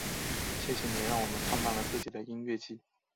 谢谢你们让我们办了自己的音乐祭！